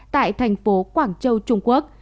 tại thành phố quảng châu trung quốc